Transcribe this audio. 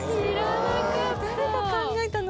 羽田：誰が考えたの？